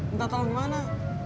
entah tau gimana